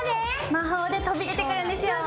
魔法で飛び出てくるんですよ。